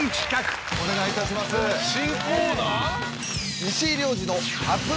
お願いいたします。